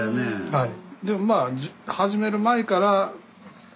はい。